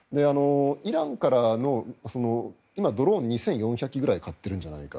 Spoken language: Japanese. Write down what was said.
イランからの今、ドローン２４００機くらい買っているんじゃないか